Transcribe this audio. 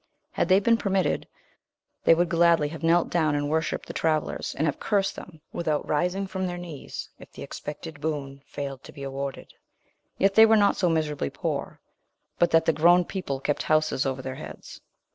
Had they been permitted, they would gladly have knelt down and worshipped the travellers, and have cursed them, without rising from their knees, if the expected boon failed to be awarded. Yet they were not so miserably poor but that the grown people kept houses over their heads.